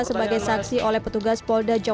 sebagai saksi oleh petugas polda